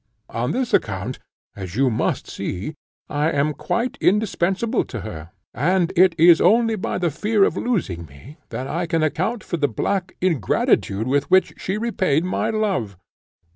On this account, as you must see, I am quite indispensable to her; and it is only by the fear of losing me, that I can account for the black ingratitude with which she repaid my love.